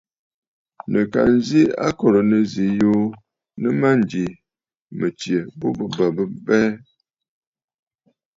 Nɨ̀ ka nzi akòrə̀ nɨzî yuu nɨ mânjì mɨ̀tsyɛ̀ bu bɨ bə̀ bɨ abɛɛ.